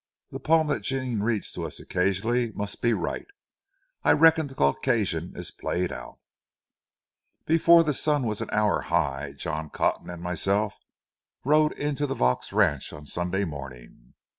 That poem that Jean reads to us occasionally must be right. I reckon the Caucasian is played out." Before the sun was an hour high, John Cotton and myself rode into the Vaux ranch on Sunday morning.